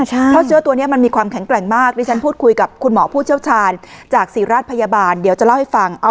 เพราะเชื้อตัวนี้มันมีความแข็งแกร่งมากดิฉันพูดคุยกับคุณหมอผู้เชี่ยวชาญจากศรีราชพยาบาลเดี๋ยวจะเล่าให้ฟัง